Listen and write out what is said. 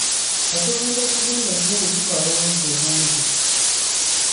Okuzimba ekizimbe ekinene kitwala obudde bungi.